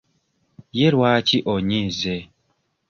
Ye lwaki onyiize?